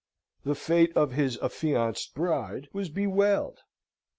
The fate of his affianced bride was bewailed.